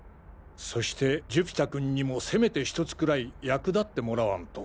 そして寿飛太君にもせめてひとつくらい役立ってもらわんと。